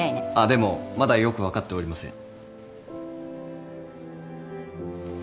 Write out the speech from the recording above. でもまだよく分かっておりません。